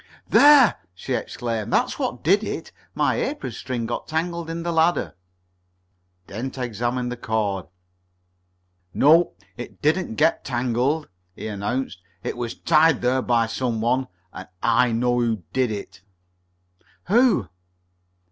"There!" she exclaimed, "That's what did it. My apron string got tangled in the ladder." Dent examined the cord. "No, it didn't get tangled," he announced. "It was tied there by some one, and I know who did it." "Who?"